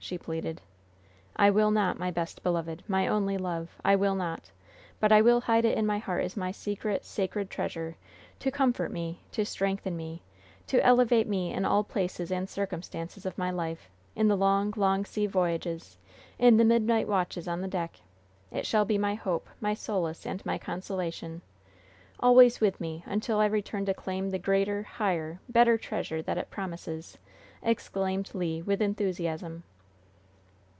she pleaded. "I will not, my best beloved, my only love! I will not; but I will hide it in my heart as my secret, sacred treasure, to comfort me, to strengthen me, to elevate me in all places and circumstances of my life in the long, long sea voyages, in the midnight watches on the deck, it shall be my hope, my solace and my consolation. Always with me, until I return to claim the greater, higher, better treasure that it promises!" exclaimed Le, with enthusiasm.